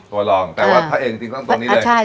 ตัวลองแต่ว่าพระเอกจริงคล้องตรงนี้เลย